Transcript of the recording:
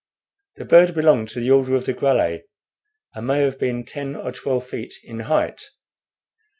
The bird belonged to the order of the Grallae, and may have been ten or twelve feet in height.